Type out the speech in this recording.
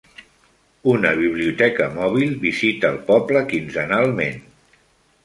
Una biblioteca mòbil visita el poble quinzenalment.